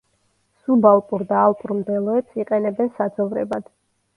სუბალპურ და ალპურ მდელოებს იყენებენ საძოვრებად.